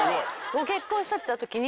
ご結婚したって言ったときに。